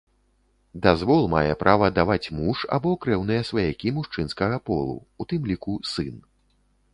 Дазвол мае права даваць муж або крэўныя сваякі мужчынскага полу, у тым ліку сын.